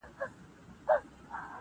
• او درد د تجربې برخه ده..